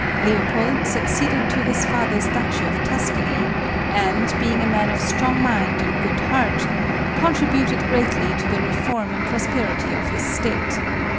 Leopold, succeeded to his father's duchy of Tuscany, and, being a man of strong mind and good heart, con tributed greatly to the reform and prosperity of his state.